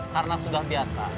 karena sudah biasa